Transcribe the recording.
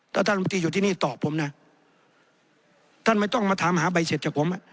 แล้วท่านลำตีอยู่ที่นี่ตอบผมนะท่านไม่ต้องมาถามหาใบเสร็จจากผม